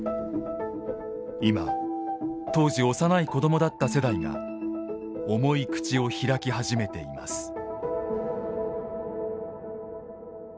今当時幼い子供だった世代が重い口を開き始めています。